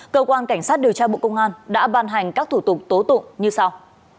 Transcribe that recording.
cơ quan cảnh sát điều tra bộ công an đã ban hành các thủ tục tố tụng như sau